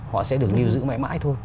họ sẽ được lưu giữ mãi mãi thôi